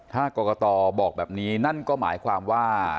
ถ้ากรกตบอกแบบนี้นั่นก็หมายความว่า